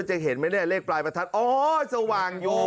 จะเห็นไหมเนี่ยเลขปลายประทัดอ๋อสว่างอยู่